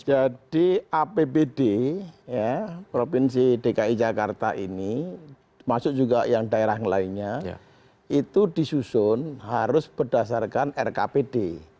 jadi apbd provinsi dki jakarta ini masuk juga yang daerah lainnya itu disusun harus berdasarkan rkpd